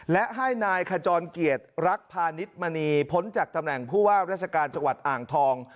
และให้นายขจรเกียรติรักพาณิชมณีพ้นจากตำแหน่งผู้ว่าราชการจังหวัดอ่างทอง